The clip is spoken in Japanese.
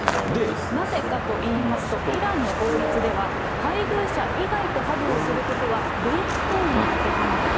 なぜかといいますと、イランの法律では、配偶者意外とハグをすることはレイプ行為に当てはまると。